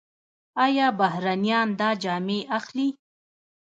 آیا بهرنیان دا جامې اخلي؟